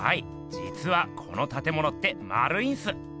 じつはこのたてものってまるいんす。